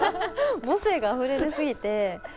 母性があふれ出過ぎて。